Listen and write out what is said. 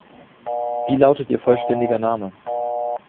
Wie lautet ihr vollständiger Name?